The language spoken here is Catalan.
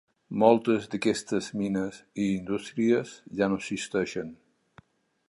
Moltes d'aquestes mines i indústries ja no existeixen.